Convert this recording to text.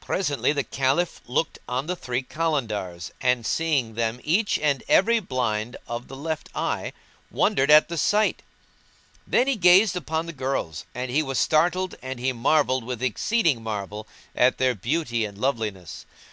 Presently the Caliph looked on the three Kalandars and, seeing them each and every blind of the left eye, wondered at the sight; then he gazed upon the girls and he was startled and he marvelled with exceeding marvel at their beauty and loveliness.